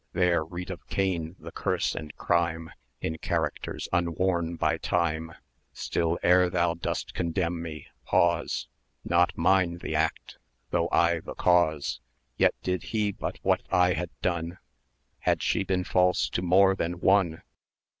There read of Cain the curse and crime, In characters unworn by Time: Still, ere thou dost condemn me, pause; 1060 Not mine the act, though I the cause. Yet did he but what I had done Had she been false to more than one.